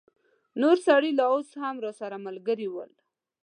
نور سړي لا اوس هم راسره ملګري ول.